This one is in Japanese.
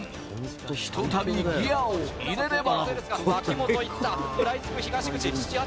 ひとたびギアを入れれば。